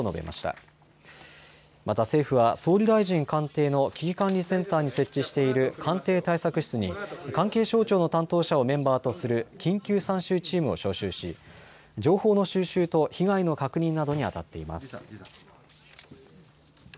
また政府は総理大臣官邸の危機管理センターに設置している官邸対策室に関係省庁の担当者をメンバーとする緊急参集チームを招集し、情報の収集と被害の確認などにあたっています。